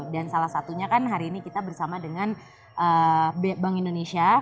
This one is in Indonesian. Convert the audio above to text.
dan salah satunya kan hari ini kita bersama dengan bank indonesia